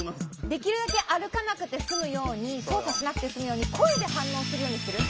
できるだけ歩かなくて済むように操作しなくて済むように声で反応するようにする。